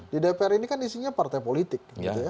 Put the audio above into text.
di dpr ini kan isinya partai politik